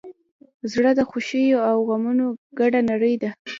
زړه د خوښیو او غمونو ګډه نړۍ ده.